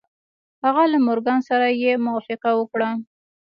هغه له مورګان سره يې موافقه وکړه.